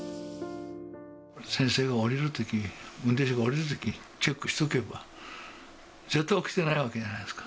先生が降りるとき、運転手が降りるときにチェックしとけば、絶対起きてないわけじゃないですか。